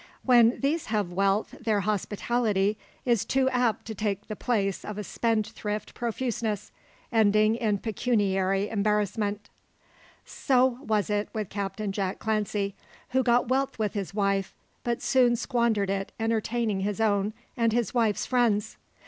When these have wealth their hospitality is too apt to take the place of a spendthrift profuseness, ending in pecuniary embarrassment. So was it with Captain Jack Clancy; who got wealth with his wife, but soon squandered it entertaining his own and his wife's friends.